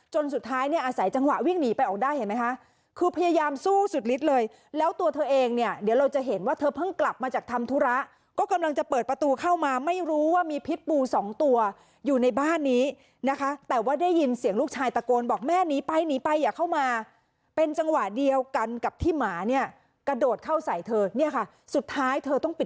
สุดท้ายเนี่ยอาศัยจังหวะวิ่งหนีไปออกได้เห็นไหมคะคือพยายามสู้สุดฤทธิ์เลยแล้วตัวเธอเองเนี่ยเดี๋ยวเราจะเห็นว่าเธอเพิ่งกลับมาจากทำธุระก็กำลังจะเปิดประตูเข้ามาไม่รู้ว่ามีพิษบูสองตัวอยู่ในบ้านนี้นะคะแต่ว่าได้ยินเสียงลูกชายตะโกนบอกแม่หนีไปหนีไปอย่าเข้ามาเป็นจังหวะเดียวกันกับที่หมาเนี่ยกระโดดเข้าใส่เธอเนี่ยค่ะสุดท้ายเธอต้องปิด